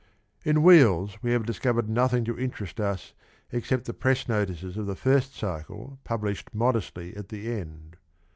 In W T heels ' we have discovered nothing to interest us except the press notices of the first cycle published modestly at the end.